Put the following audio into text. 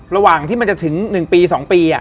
ระหว่างที่มันจะถึง๑ปี๒ปี